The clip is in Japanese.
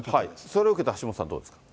それを受けて橋下さん、どうですか。